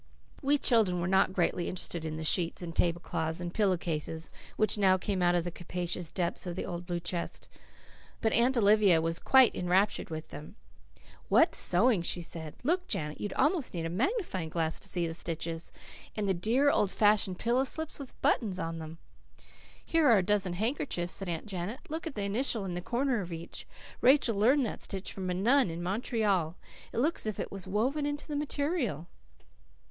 We children were not greatly interested in the sheets and tablecloths and pillow cases which now came out of the capacious depths of the old blue chest. But Aunt Olivia was quite enraptured over them. "What sewing!" she said. "Look, Janet, you'd almost need a magnifying glass to see the stitches. And the dear, old fashioned pillow slips with buttons on them!" "Here are a dozen handkerchiefs," said Aunt Janet. "Look at the initial in the corner of each. Rachel learned that stitch from a nun in Montreal. It looks as if it was woven into the material."